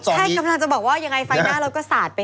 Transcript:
แท่กำลังจะบอกว่าฟังหน้ารถก็สาดไป